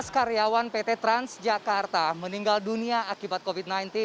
tujuh belas karyawan pt transjakarta meninggal dunia akibat covid sembilan belas